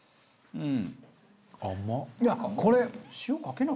うん。